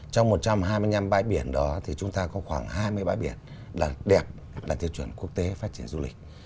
trong một trăm hai mươi năm bãi biển đó thì chúng ta có khoảng hai mươi bãi biển là đẹp đạt tiêu chuẩn quốc tế phát triển du lịch